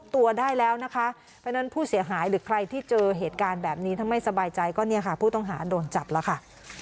ที่เจอเหตุการณ์แบบนี้ถ้าไม่สบายใจก็นี่ค่ะผู้ต้องหาโดนจับแล้วค่ะ